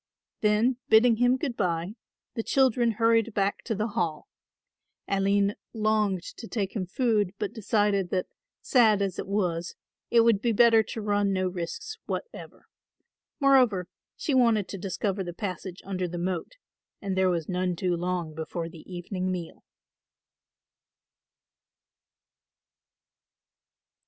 Then bidding him good bye the children hurried back to the Hall. Aline longed to take him food but decided that, sad as it was, it would be better to run no risks whatever. Moreover, she wanted to discover the passage under the moat and there was none too long before the evening meal.